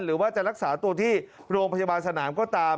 หรือว่าจะรักษาตัวที่โรงพยาบาลสนามก็ตาม